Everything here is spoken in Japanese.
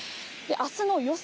あすの予想